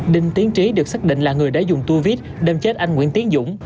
đinh tiến trí được xác định là người đã dùng tu viết đem chết anh nguyễn tiến dũng